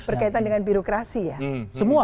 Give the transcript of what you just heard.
berkaitan dengan birokrasi ya semua